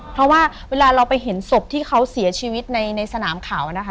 เพราะว่าไม่ได้คิดว่าเห็นศพที่เขาเสียชีวิตในสนามข่าว